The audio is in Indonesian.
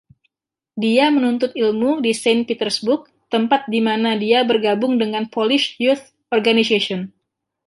Dia menuntut ilmu di Saint Petersburg, tempat di mana dia bergabung dengan Polish Youth Organization.